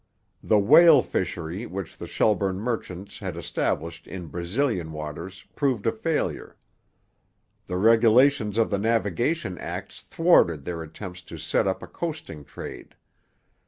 The whale fishery which the Shelburne merchants had established in Brazilian waters proved a failure. The regulations of the Navigation Acts thwarted their attempts to set up a coasting trade.